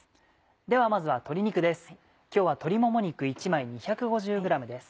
ではまずは鶏肉です。